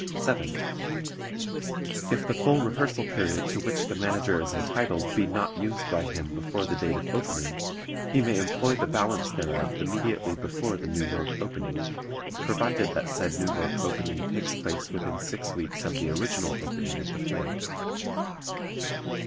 7. If the full rehearsal period to which the Manager is entitled be not used by him before the date of opening, he may employ the balance thereof immediately before the New York opening, provided that said New York opening takes place within six weeks of the original opening of the play.